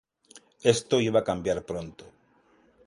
Esto iba a cambiar pronto.